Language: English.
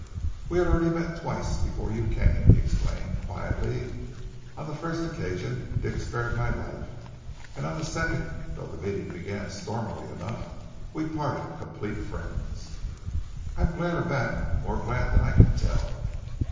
"We had already met twice, before you came," he explained quietly. "On the first occasion Dick spared my life; and on the second, though the meeting began stormily enough, we parted complete friends." "I am glad of that, more glad than I can tell."